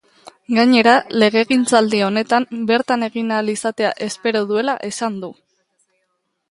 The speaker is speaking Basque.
Gainera, legegintzaldi honetan bertan egin ahal izatea espero duela esan du.